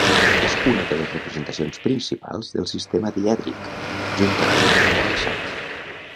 És una de les representacions principals del sistema dièdric, juntament amb l'alçat.